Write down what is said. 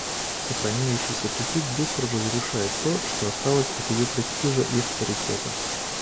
Сохраняющийся тупик быстро разрушает то, что осталось от ее престижа и авторитета.